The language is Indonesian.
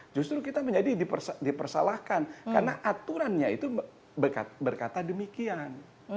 justru kita menjadi dipersalahkan karena aturannya itu berkata demikian